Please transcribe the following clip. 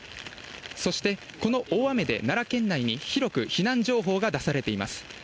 そしてこの大雨で、奈良県内に広く避難情報が出されています。